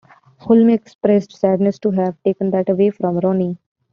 Hulme expressed sadness to "have taken that away from Ronnie".